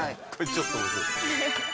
ちょっと。